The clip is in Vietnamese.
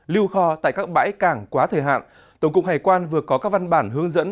lưu kho tại các bãi cảng quá thời hạn tổng cục hải quan vừa có các văn bản hướng dẫn